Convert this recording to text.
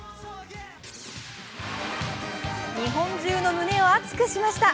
日本中の胸を熱くしました。